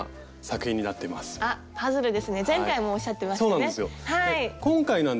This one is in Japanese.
前回もおっしゃってましたね。